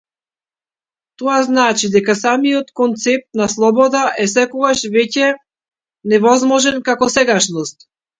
Тоа значи дека самиот концепт на слобода е секогаш веќе невозможен како сегашност.